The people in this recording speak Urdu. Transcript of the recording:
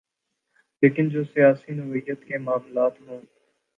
لیکن جو سیاسی نوعیت کے معاملات ہوں۔